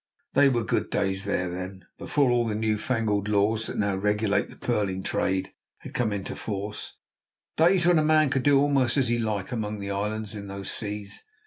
They were good days there then, before all the new fangled laws that now regulate the pearling trade had come into force; days when a man could do almost as he liked among the islands in those seas.